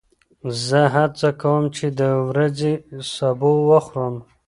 زه هڅه کوم چې د ورځې سبو وخورم.